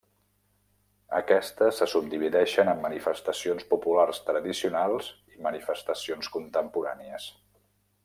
Aquestes se subdivideixen en manifestacions populars tradicionals i manifestacions contemporànies.